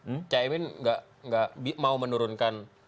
mbak cahimin enggak mau menurunkan